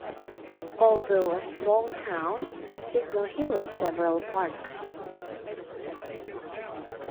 Although a small town, Signal Hill has several parks.